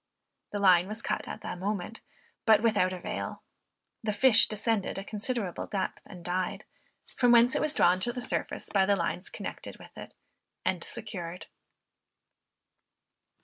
The line was cut at the moment, but without avail. The fish descended a considerable depth, and died; from whence it was drawn to the surface by the lines connected with it, and secured.